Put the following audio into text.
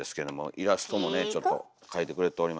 イラストもねちょっと描いてくれておりますよ。